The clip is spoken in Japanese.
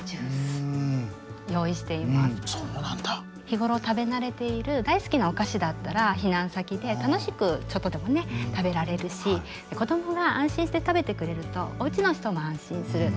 日頃食べ慣れている大好きなお菓子だったら避難先で楽しくちょっとでもね食べられるし子供が安心して食べてくれるとおうちの人も安心する。